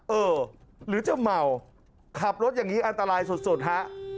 เออหรือจะเมาขับรถอย่างนี้อันตรายสุดฮะ